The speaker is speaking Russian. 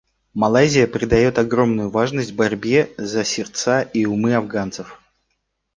Малайзия придает огромную важность борьбе за сердца и умы афганцев.